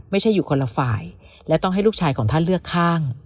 ไม่ใช่อยู่คนละฝ่ายและต้องให้ลูกชายของท่านเลือกข้าง